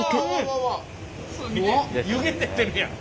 湯気出てるやん！